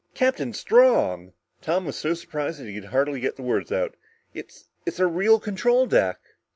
"Captain Strong!" Tom was so surprised that he could hardly get the words out. "It's it's a real control deck!"